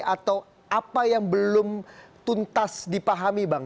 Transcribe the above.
atau apa yang belum tuntas dipahami bang